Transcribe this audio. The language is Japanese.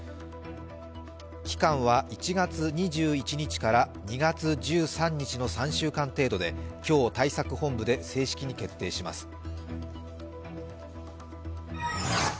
期間は１月２２日から２月１３日の３週間程度で今日、対策本部で正式に決定します